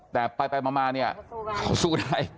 แต่ไปมาเนี่ยเขาสู้ได้